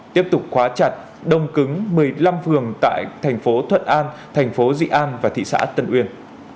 tiếp tục khóa chặt đông cứng một mươi năm phường tại thành phố thuận an thành phố dị an và thị xã tân uyên